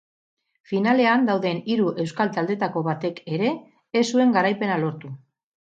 Finalean dauden hiru euskal taldeetako batek ere ez zuen garaipena lortu.